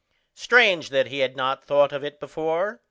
Strange that he had not thought of it before.